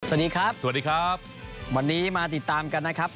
สวัสดีครับสวัสดีครับวันนี้มาติดตามกันนะครับ